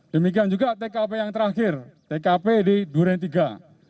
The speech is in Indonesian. demikian juga tkp yang terakhir tkp di durentiga